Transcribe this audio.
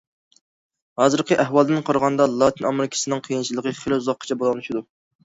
ھازىرقى ئەھۋالدىن قارىغاندا، لاتىن ئامېرىكىسىنىڭ قىيىنچىلىقى خېلى ئۇزاققىچە داۋاملىشىدۇ.